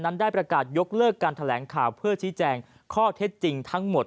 นั้นได้ประกาศยกเลิกการแถลงข่าวเพื่อชี้แจงข้อเท็จจริงทั้งหมด